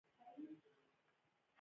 آیا بلوڅان او کردان خپلې جامې نلري؟